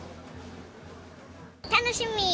楽しみ！